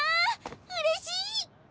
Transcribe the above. うれしいっ！